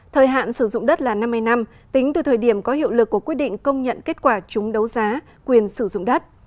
thời hạn sử dụng đất là năm mươi năm tính từ thời điểm có hiệu lực của quyết định công nhận kết quả chúng đấu giá quyền sử dụng đất